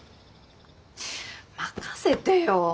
任せてよ！